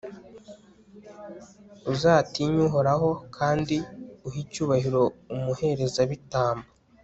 uzatinye uhoraho, kandi uhe icyubahiro umuherezabitambo